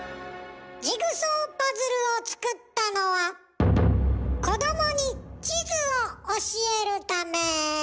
「ジグソーパズル」を作ったのは子どもに地図を教えるため。